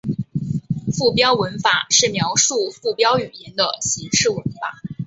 附标文法是描述附标语言的形式文法。